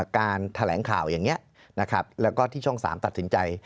การแถลงข่าวอย่างนี้นะครับแล้วก็ที่ช่อง๓ตัดสินใจ